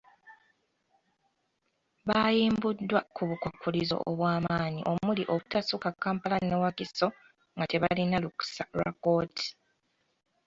Bayimbudwa ku bukwakkulizo obwamaanyi omuli obutasukka Kampala ne Wakiso nga tebalina lukkusa lwa kkooti.